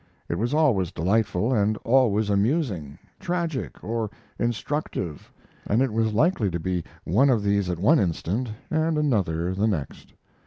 It was always delightful, and always amusing, tragic, or instructive, and it was likely to be one of these at one instant, and another the next.